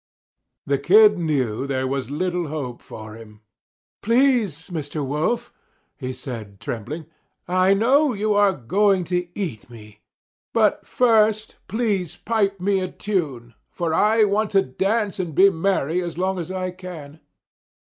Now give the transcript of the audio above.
The Kid knew there was little hope for him. "Please, Mr. Wolf," he said trembling, "I know you are going to eat me. But first please pipe me a tune, for I want to dance and be merry as long as I can."